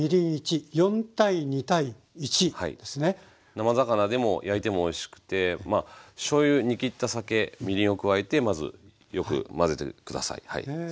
生魚でも焼いてもおいしくてしょうゆ煮きった酒みりんを加えてまずよく混ぜて下さい。